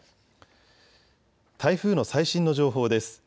台風の最新の情報です。